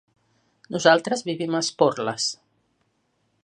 Nosaltres vivim a Esporles.